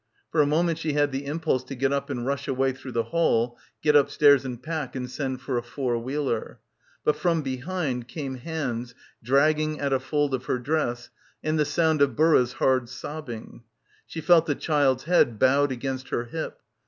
For a moment she had the impulse to get up and rush away through the hall, get upstairs and pack and send for a four wheeler. But from behind came hands dragging at a fold of her dress and the sound of Burra's hard sobbing. She felt the child's head bowed against her hip.